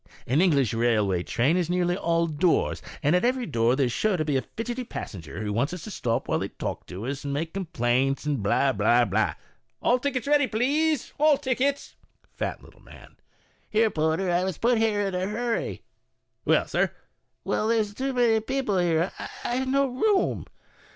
An English railway train is nearly all doors; and at every door there is sure to be a fidgety passenger, who wants us to stop while they talk to us and make complaints. All tickets ready, please. All tickets !" DIALOGUE. Eat Little Man. " Here, porter, I was put in here in a hurry. Porter. ''Well, sir." Eat Man. "Well, there's too many people here — I've no room."